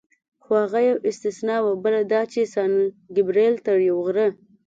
خو هغه یوه استثنا وه، بله دا چې سان ګبرېل تر یو غره.